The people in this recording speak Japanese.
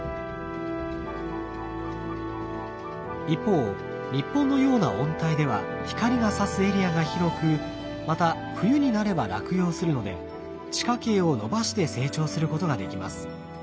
一方日本のような温帯では光がさすエリアが広くまた冬になれば落葉するので地下茎を伸ばして成長することができます。